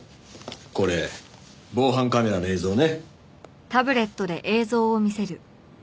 これ防犯カメラの映像ね。